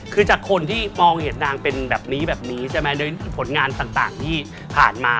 คือจากคนที่มองเห็นนางเป็นแบบนี้แบบนี้ใช่ไหมโดยผลงานต่างที่ผ่านมา